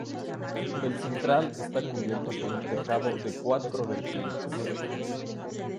El central está cubierto por un tejado de cuatro vertientes.